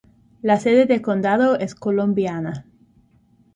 La sede de condado es Columbiana.